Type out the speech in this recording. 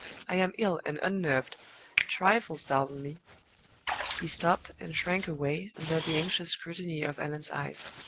I am ill and unnerved; trifles startle me." He stopped, and shrank away, under the anxious scrutiny of Allan's eyes.